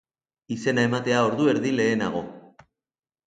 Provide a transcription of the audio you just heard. Izena ematea ordu erdi lehenago.